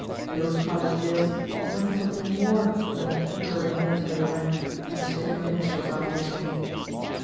Those five years had meant something more than a temporary military rank, and a string of initials after his name.